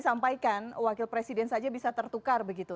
saya mengatakan wakil presiden saja bisa tertukar begitu